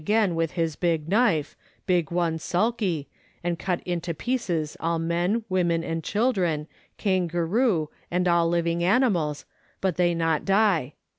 89 again with his big knife, big one sulky, and cut into pieces all men, women, and children, kangaroo, and all living animals, biit they not die.